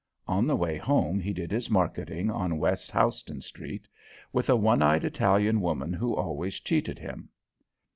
On the way home he did his marketing on West Houston Street, with a one eyed Italian woman who always cheated him.